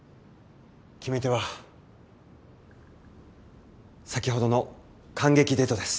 決め手は先ほどの観劇デートです。